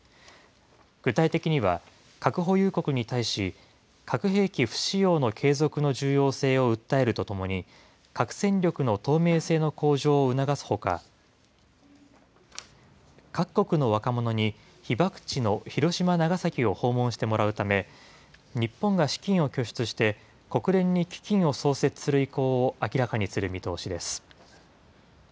具体的には、核保有国に対し、核兵器不使用の継続の重要性を訴えるとともに、核戦力の透明性の向上を促すほか、各国の若者に被爆地の広島、長崎を訪問してもらうため、日本が資金を拠出して、国連に基金を創設する意向を明らかにする見通しです。